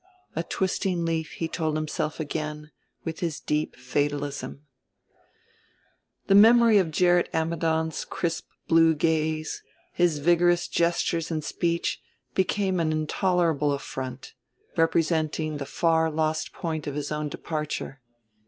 A twisting leaf, he told himself again with his deep fatalism. The memory of Gerrit Ammidon's crisp blue gaze, his vigorous gestures and speech, became an intolerable affront, representing the far lost point of his own departure.